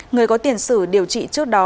người có tiền sử điều trị trước đó